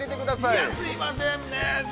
◆すいませんね。